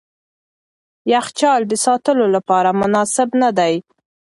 یخچال د ساتلو لپاره مناسب نه دی.